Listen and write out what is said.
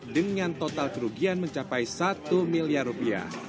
dengan total kerugian mencapai satu miliar rupiah